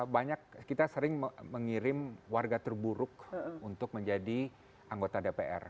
banyak kita sering mengirim warga terburuk untuk menjadi anggota dpr